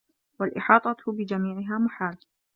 وَالْإِحَاطَةُ بِجَمِيعِهَا مُحَالٌ